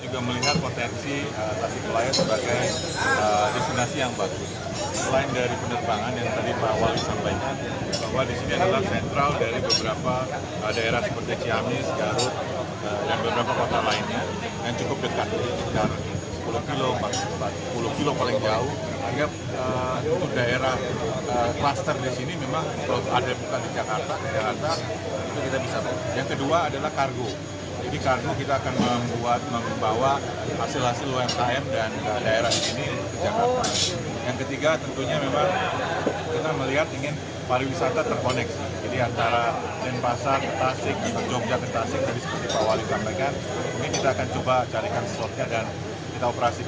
kita juga melihat potensi tasikmalaya sebagai destinasi yang bagus